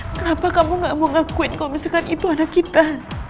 kenapa kamu gak mau ngakuin kalau misalkan itu ada kita